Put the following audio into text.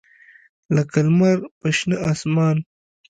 لکه لمر په شنه اسمان